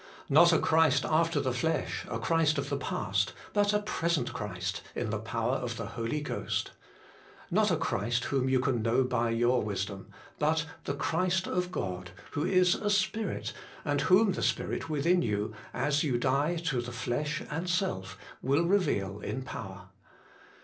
Not a Christ after the flesh, a Christ of the past, but a present Christ in the power of the Holy Ghost. Not a Christ whom you can know by your wisdom, but the Christ of God, who is a Spirit, and whom the Spirit within you, as you die to the flesh and self, will reveal in power.